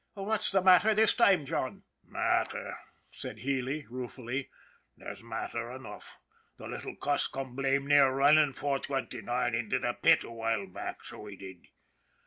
" What's the matter this time, John ?" "Matter," said Healy, ruefully; "there's matter enough. The little cuss come blame near running 429 into the pit a while back, so he did."